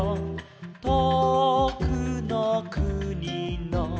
「とおくのくにの」